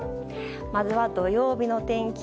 まずは土曜日の天気。